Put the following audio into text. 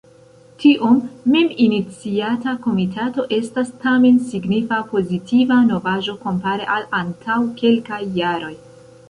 Tiom meminiciata Komitato estas tamen signifa pozitiva novaĵo kompare al antaŭ kelkaj jaroj.